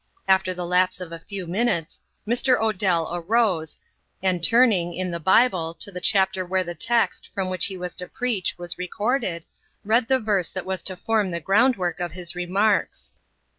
After the lapse of a few minutes, Mr. Odell arose, and turning, in the Bible, to the chapter where the text, from which he was to preach, was recorded, read the verse that was to form the groundwork of his remarks.